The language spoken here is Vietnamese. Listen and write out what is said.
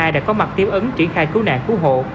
đã có mặt tiêu ấn triển khai cứu nạn cứu hộ